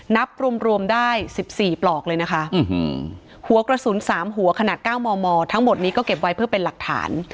นับรวมได้๑๔ปลอกเลยนะคะหัวกระสุน๓หัวขนาด๙มมทั้งหมดนี้ก็เก็บไว้เพื่อเป็นหลักฐาน